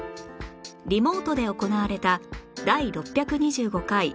リモートで行われた第６２５回